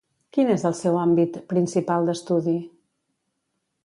Quin és el seu àmbit principal d'estudi?